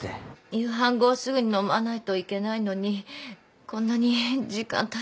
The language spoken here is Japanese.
夕飯後すぐに飲まないといけないのにこんなに時間たっちゃった。